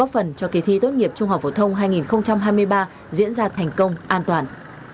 phổ thông hai nghìn hai mươi ba diễn ra thành công an toàn